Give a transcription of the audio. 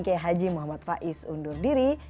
kiai haji muhammad faiz undur diri